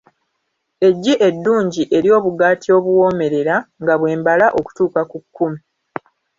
Eggi eddungi ery'obugaati obuwoomerera, nga bwe mbala okutuuka ku kkumi.